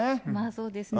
そうですね。